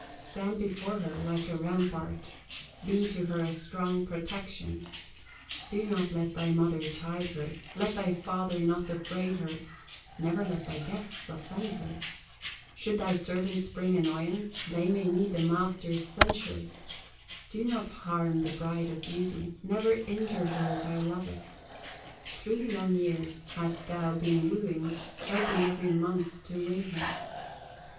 Stand before her like a rampart, Be to her a strong protection, Do not let thy mother chide her, Let thy father not upbraid her, Never let thy guests offend her; Should thy servants bring annoyance, They may need the master's censure; Do not harm the Bride of Beauty, Never injure her thou lovest; Three long years hast thou been wooing, Hoping every mouth to win her.